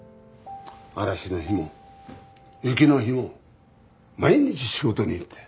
嵐の日も雪の日も毎日仕事に行って。